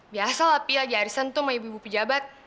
biasalah pi lagi arisan tuh sama ibu ibu pejabat